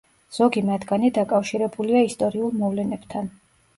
ზოგი მათგანი დაკავშირებულია ისტორიულ მოვლენებთან.